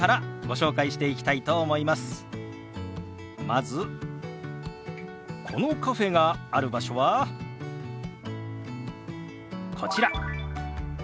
まずこのカフェがある場所はこちら。